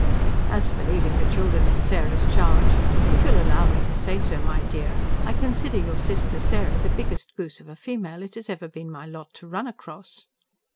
"As for leaving the children in Sarah's charge, if you'll allow me to say so, my dear, I consider your sister Sarah the biggest goose of a female it has ever been my lot to run across."